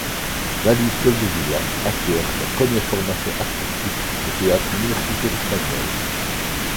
Laly Soldevila acquiert sa première formation artistique au Théâtre universitaire espagnol.